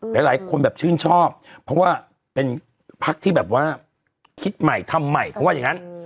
หลายคนแบบชื่นชอบเพราะว่าเป็นพักที่แบบว่าคิดใหม่ทำใหม่เขาว่าอย่างนั้น